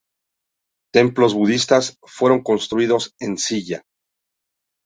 Templos budistas fueron construidos en Silla.